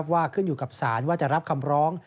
ขึ้นอยู่กับสารว่าจะรับคำร้อง